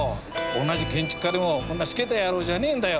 同じ建築家でもこんなシケた野郎じゃねえんだよ。